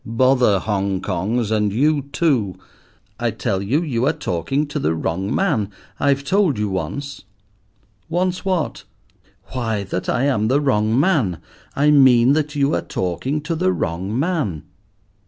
"Bother Hong Kongs, and you too. I tell you, you are talking to the wrong man. I've told you once." "Once what?" "Why, that I am the wrong man—I mean that you are talking to the wrong man."